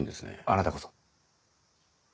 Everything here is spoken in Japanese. あなたこそ。